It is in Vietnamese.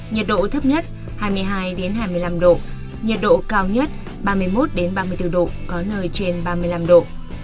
nhiệt độ thấp nhất hai mươi hai hai mươi năm độ nhiệt độ cao nhất ba mươi một ba mươi bốn độ có nơi trên ba mươi năm độ